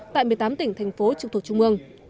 tại một mươi tám tỉnh thành phố trực thuộc trung mương